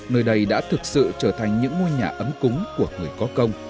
nơi đây đã thực sự trở thành những ngôi nhà ấm cúng của người có công